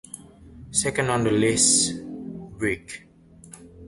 Second on the list — break.